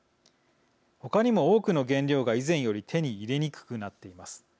他にも多くの原料が以前より手に入れにくくなっています。